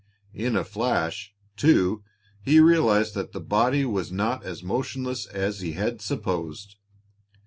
In a flash, too, he realized that the body was not as motionless as he had supposed.